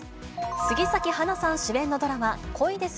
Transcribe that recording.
杉咲花さん主演のドラマ、恋です！